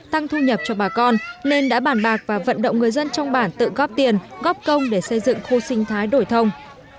tăng thu nhập cho bà con nên đã bản bạc và vận động người dân trong bản tự góp tiền góp công để xây dựng khu sinh thái đổi thông